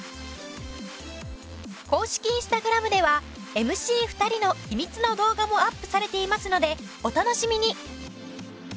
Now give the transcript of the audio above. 公式インスタグラムではＭＣ２人の秘密の動画もアップされていますのでお楽しみに！